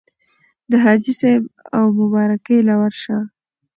د حاجي صېب اومبارکۍ له ورشه